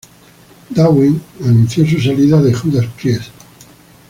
Downing anunció su salida de Judas Priest.